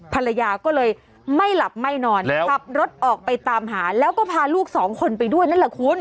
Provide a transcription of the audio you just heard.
ภรรยาก็เลยไม่หลับไม่นอนขับรถออกไปตามหาแล้วก็พาลูกสองคนไปด้วยนั่นแหละคุณ